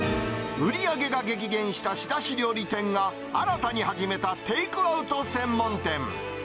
売り上げが激減した仕出し料理店が、新たに始めたテイクアウト専門店。